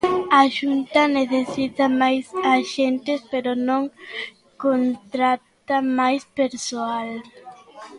A Xunta necesita máis axentes, pero non contrata máis persoal.